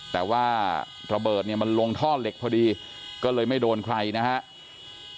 แต่ว่าระเบิดเนี่ยมันลงท่อเหล็กพอดีก็เลยไม่โดนใครนะครับ